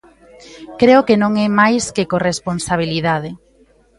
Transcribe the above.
Creo que non é máis que corresponsabilidade.